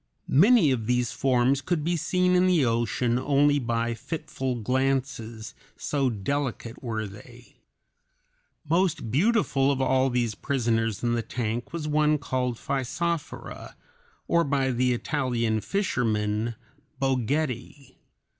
Many of these forms could be seen in the ocean only by fitful glances, so delicate were they. Most beautiful of all these prisoners in the tank was one called Physophora, or by the Italian fishermen, Boguetti.